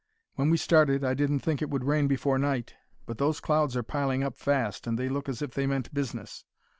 When we started I didn't think it would rain before night, but those clouds are piling up fast and they look as if they meant business.